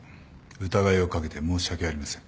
疑いを掛けて申し訳ありません。